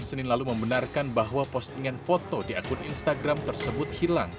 senin lalu membenarkan bahwa postingan foto di akun instagram tersebut hilang